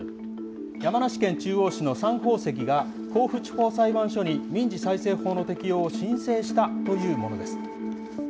山梨県中央市のサン宝石が、甲府地方裁判所に民事再生法の適用を申請したというものです。